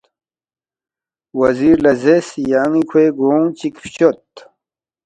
وزیر لہ زیرس، ”یان٘ی کھوے گونگ چِک فشود